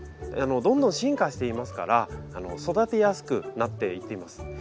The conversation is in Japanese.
どんどん進化していますから育てやすくなっていっています。